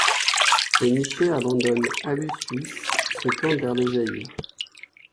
Penichey abandonne, Alusuisse se tourne vers le Zaïre.